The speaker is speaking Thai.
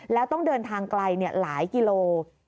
แล้วต้องเดินทางไกลหลายกิโล